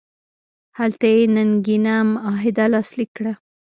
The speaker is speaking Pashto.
هلته یې ننګینه معاهده لاسلیک کړه.